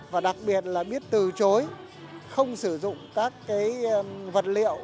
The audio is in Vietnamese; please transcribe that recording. và đặc biệt là biết từ chối không sử dụng các vật liệu